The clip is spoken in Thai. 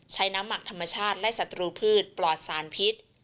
ใช้น้ำหมักธรรมชาติและศัตรูพืชปลอดสารพิษ